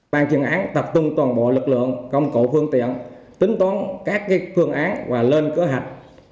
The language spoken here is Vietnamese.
bàn truyền án tập trung toàn bộ lực lượng công cụ phương tiện tính toán các phương án và lên cơ hạch